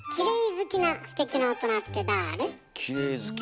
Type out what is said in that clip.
きれい好き。